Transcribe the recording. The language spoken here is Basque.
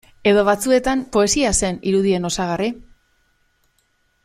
Edo, batzuetan, poesia zen irudien osagarri?